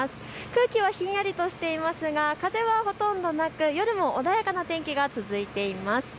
空気はひんやりとしていますが風はほとんどなく、夜も穏やかな天気が続いています。